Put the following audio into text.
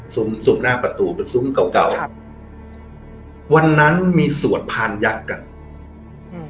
ซุ้มหน้าประตูเป็นซุ้มเก่าเก่าครับวันนั้นมีสวดพานยักษ์กันอืม